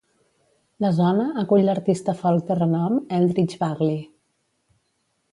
La zona acull l'artista folk de renom Eldridge Bagley.